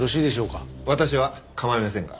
私は構いませんが。